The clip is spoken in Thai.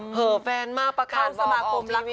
เห่อแฟนมากประกาศบอกออกทีวี